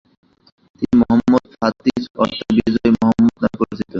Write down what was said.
তিনি Muhammad Fatih অর্থাৎ বিজয়ী মুহাম্মাদ নামে পরিচিত।